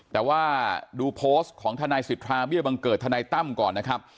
แต่ว่าดูโพสต์ของทนายสิทธาเบี้ยบังเกิดทนายตั้มก่อนนะครับ